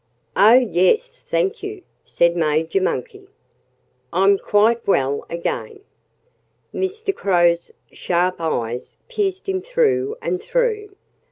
"Oh, yes thank you!" said Major Monkey. "I'm quite well again." Mr. Crow's sharp eyes pierced him through and through.